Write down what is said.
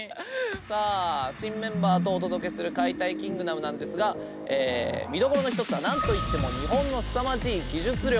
さあ新メンバーとお届けする「解体キングダム」なんですが見どころの一つはなんと言っても日本のすさまじい技術力。